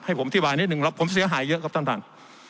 ผมอธิบายนิดนึงแล้วผมเสียหายเยอะครับท่านท่าน